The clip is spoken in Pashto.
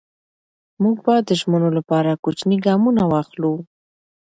موږ به د ژمنو لپاره کوچني ګامونه واخلو.